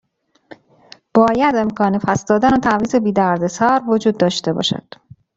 باید امکان پس دادن و تعویض بی دردسر وجود داشته باشد.